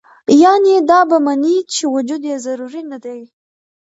يعني دا به مني چې وجود ئې ضروري نۀ دے